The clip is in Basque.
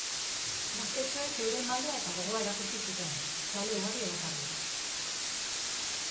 Gaztetxoek euren maila eta gogoa erakutsi zuten, zale ugari erakarriz.